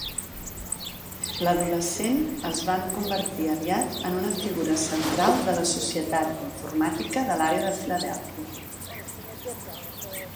L'adolescent es van convertir aviat en una figura central de la Societat Informàtica de l'Àrea de Filadèlfia.